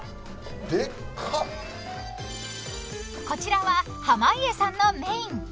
［こちらは濱家さんのメイン］